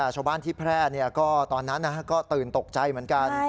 ชาวบ้านที่แพร่ตอนนั้นก็ตื่นตกใจเหมือนกัน